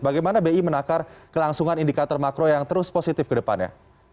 bagaimana bi menakar kelangsungan indikator makro yang terus positif ke depannya